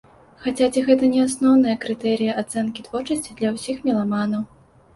Хаця, ці гэта не асноўныя крытэрыі ацэнкі творчасці для ўсіх меламанаў.